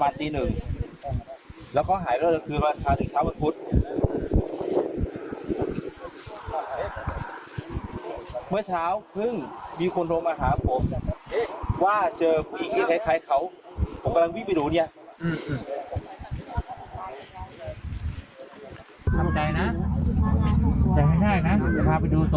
จะให้ได้นะจะพาไปดูศพ